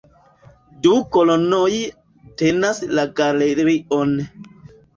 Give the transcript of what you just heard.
Du kolonoj tenas la galerion.